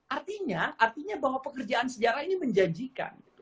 artinya artinya bahwa pekerjaan sejarah ini menjanjikan